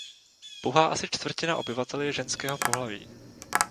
Pouhá asi čtvrtina obyvatel je ženského pohlaví.